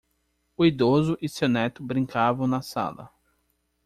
O idoso e seu neto brincavam na sala.